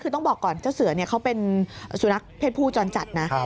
คือต้องบอกก่อนเจ้าเสือเนี่ยเขาเป็นสุนัขเพศผู้จรจัดนะ